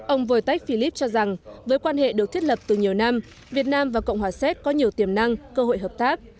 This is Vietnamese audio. ông voi tách philip cho rằng với quan hệ được thiết lập từ nhiều năm việt nam và cộng hòa séc có nhiều tiềm năng cơ hội hợp tác